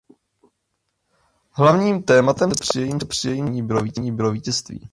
Hlavním tématem stanice při jejím ztvárnění bylo vítězství.